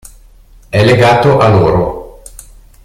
È legato a loro.